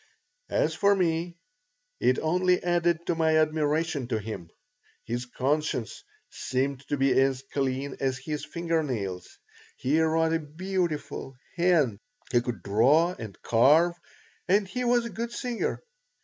As for me, it only added to my admiration of him. His conscience seemed to be as clean as his finger nails. He wrote a beautiful hand, he could draw and carve, and he was a good singer.